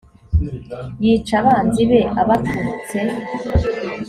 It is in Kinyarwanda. yica abanzi be abaturutse